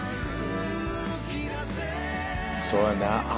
そうやな。